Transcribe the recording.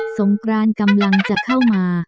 งกรานกำลังจะเข้ามา